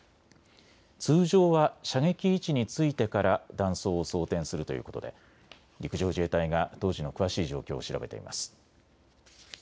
通常は射撃位置についてから弾倉を装填するということで陸上自衛隊が当時の詳しい状況を調べています。